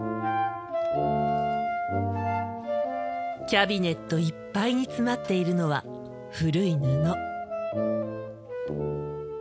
キャビネットいっぱいに詰まっているのは古い布。